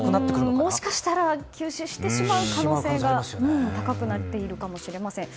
もしかしたら休止してしまう可能性が高くなっているかもしれません。